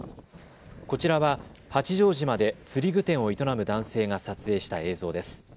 こちらは八丈島で釣り具店を営む男性が撮影した映像です。